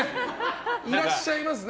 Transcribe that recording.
いらっしゃいますね。